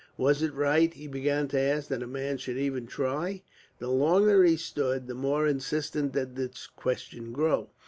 Was it right, he began to ask, that a man should even try? The longer he stood, the more insistent did this question grow.